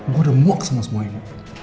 gue udah muak sama semua ini